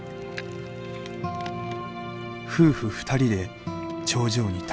「夫婦２人で頂上に立ちたい」。